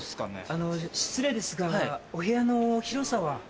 あの失礼ですがお部屋の広さは？え？